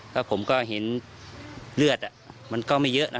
แล้วผมก็เห็นเลือดมันก็ไม่เยอะนะ